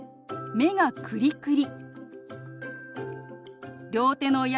「目がクリクリ」。